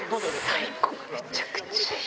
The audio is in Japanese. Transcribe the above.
最高、めちゃくちゃいい。